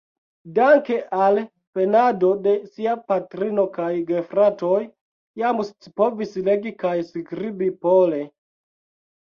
Danke al penado de sia patrino kaj gefratoj jam scipovis legi kaj skribi pole.